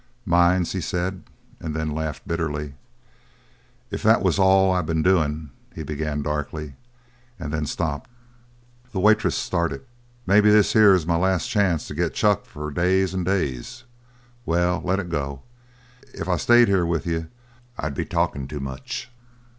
"Mines?" he said, and then laughed bitterly. "If that was all I been doin' " he began darkly and then stopped. The waitress started. "Maybe this here is my last chance to get chuck for days an' days. Well, let it go. If I stayed here with you I'd be talkin' too much!"